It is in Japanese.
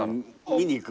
見に行く？